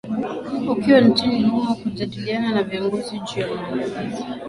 ukiwa nchini humo kujadiliana na viongozi juu ya maandalizi